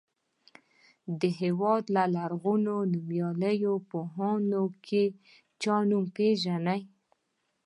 د هېواد له لرغونو نومیالیو پوهانو کې چا نوم پیژنئ.